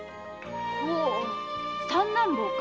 ほう三男坊か。